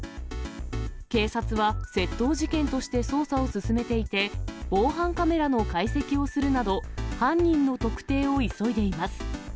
警察は窃盗事件として捜査を進めていて、防犯カメラの解析をするなど、犯人の特定を急いでいます。